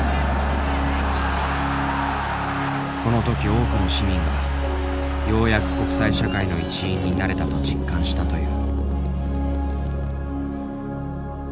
この時多くの市民がようやく国際社会の一員になれたと実感したという。